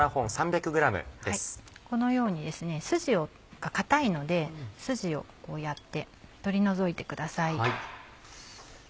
このようにスジが硬いのでスジをこうやって取り除いてください。